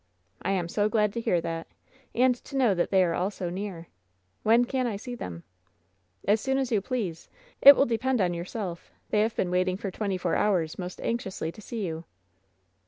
"I am so glad to hear that ! And to know that they are all so near ! When can I see them ?" "As soon as you please. It will depend on yourself. They have been waiting for twenty four hours most anxiously to see you."